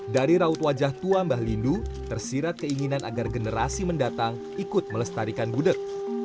dari raut wajah tua mbah lindu tersirat keinginan agar generasi mendatang ikut melestarikan gudeg